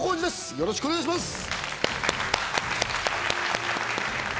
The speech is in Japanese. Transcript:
よろしくお願いします。